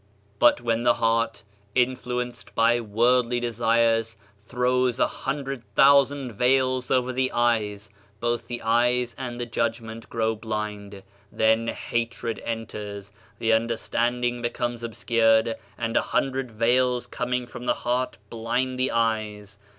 But when the heart, influenced by worldly de sires, throws a hundred thousand veils over the eyes, both the eyes and the judgment grow blind ; then hatred enters, the understanding becomes ob scured, and a hundred veils coming from the heart blind the eyes.